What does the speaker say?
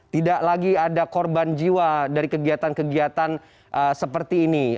tidak lagi ada korban jiwa dari kegiatan kegiatan seperti ini